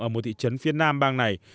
ở một thị trấn phía nam bang này